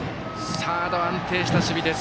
サード、安定した守備。